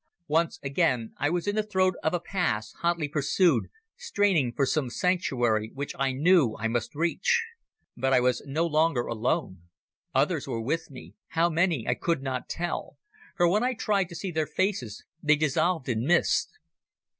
Once again I was in the throat of a pass, hotly pursued, straining for some sanctuary which I knew I must reach. But I was no longer alone. Others were with me: how many I could not tell, for when I tried to see their faces they dissolved in mist.